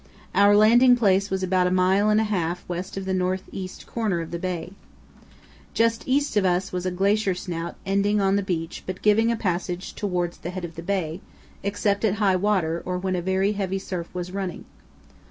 Our landing place was about a mile and a half west of the north east corner of the bay. Just east of us was a glacier snout ending on the beach but giving a passage towards the head of the bay, except at high water or when a very heavy surf was running.